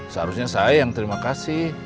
seharusnya saya yang terima kasih